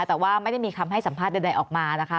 แต่ว่าไม่ได้มีคำให้สัมภาษณ์ใดออกมานะคะ